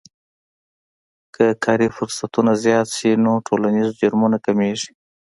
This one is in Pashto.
که کاري فرصتونه زیات شي نو ټولنیز جرمونه کمیږي.